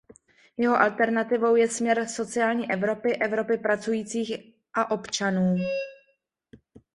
Jeho alternativou je směr sociální Evropy, Evropy pracujících a občanů.